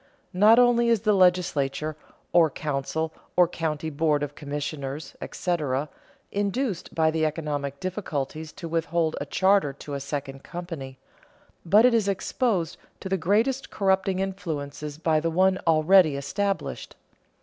Not only is the legislature (or council, or county board of commissioners, etc.) induced by the economic difficulties to withhold a charter to a second company, but it is exposed to the greatest corrupting influences by the one already established.